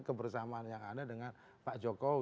kebersamaan yang ada dengan pak jokowi